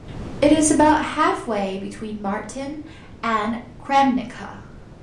It is about halfway between Martin and Kremnica.